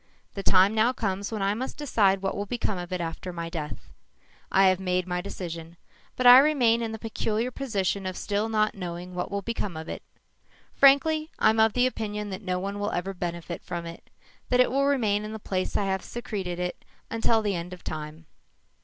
The time now comes when I must decide what will become of it after my death. I have made my decision, but I remain in the peculiar position of still not knowing what will become of it. Frankly, I'm of the opinion that no one will ever benefit from it that it will remain in the place I have secreted it until the end of time.